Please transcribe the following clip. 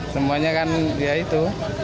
semuanya kan ya itu